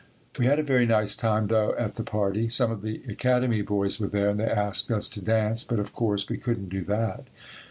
We had a very nice time, though, at the party. Some of the Academy boys were there and they asked us to dance but of course we couldn't do that.